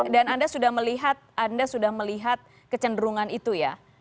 dan anda sudah melihat kecenderungan itu ya